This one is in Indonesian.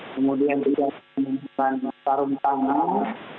kemudian juga menemukan sarung tangan